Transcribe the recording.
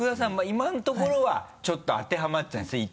今のところはちょっと当てはまっちゃうんですね